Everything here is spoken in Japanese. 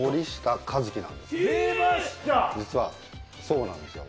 実はそうなんですよ。